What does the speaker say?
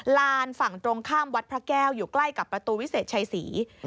ลานฝั่งตรงข้ามวัดพระแก้วอยู่ใกล้กับประตูวิเศษชัยศรี